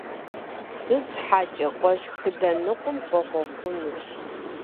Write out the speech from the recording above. Сыт щхьэкӀэ? Къошхыдэнукъым, къохъуэхъунущ.